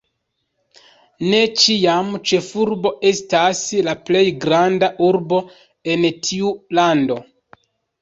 Ne ĉiam ĉefurbo estas la plej granda urbo en tiu lando.